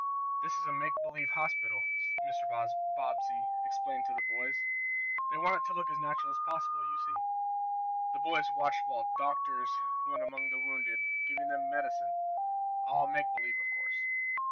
"This is a make believe hospital," Mr. Bobbsey explained to the boys. "They want it to look as natural as possible, you see." The boys watched while "doctors" went among the "wounded," giving them "medicine," all make believe, of course.